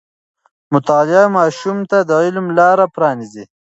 مطالعه ماشوم ته د علم لاره پرانیزي.